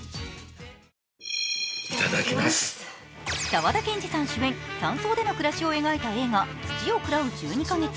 沢田研二さん主演、山荘での暮らしを描いた映画「土を喰らう十二ヵ月」。